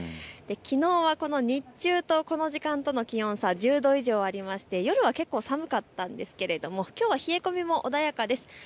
きのうは日中とこの時間との気温差、１０度以上ありまして夜は結構寒かったんですけれども冷え込みも穏やかです。